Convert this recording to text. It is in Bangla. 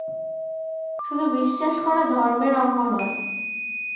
শুধু বিশ্বাস করা ধর্মের অঙ্গ নয়।